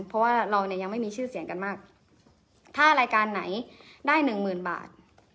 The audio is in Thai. เพราะว่าเราเนี่ยยังไม่มีชื่อเสียงกันมากถ้ารายการไหนได้หนึ่งหมื่นบาท